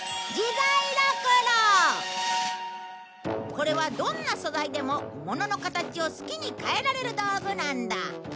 これはどんな素材でもものの形を好きに変えられる道具なんだ。